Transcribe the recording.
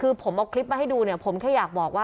คือผมเอาคลิปมาดูผมแฮ้ะอยากบอก